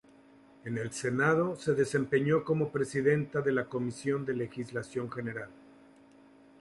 En el senado se desempeñó como presidenta de la Comisión de Legislación General.